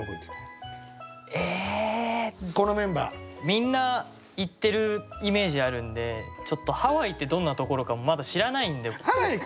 みんな行ってるイメージあるんでちょっとハワイってどんなところかもまだ知らないんで。